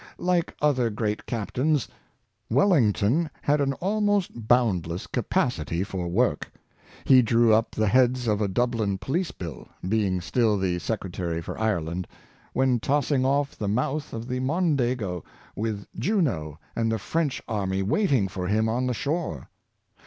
Like other great captains, Wellington had an almost boundless capacity for work. He drew up the heads of a Dublin Police Bill (being still the Secretary for Ire land) when tossing off the mouth of the Mondego, with Junot and the French army waiting for him on the shore.